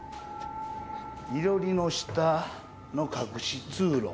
いろりの下の隠し通路。